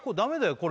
これ